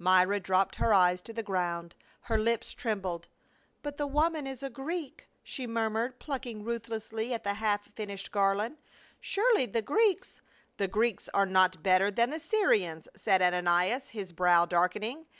Myra dropped her eyes to the ground, her lips trembled. "But the woman is a Greek," she mur mured, plucking ruthlessly at the half finished gar land. " Surely, the Greeks —"" The Greeks are not better than the Syrians," said Ananias, his brow darkening.